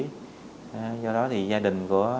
do đó gia đình mình đã tự hủy bắt đầu đi ăn chơi và sử dụng ma túy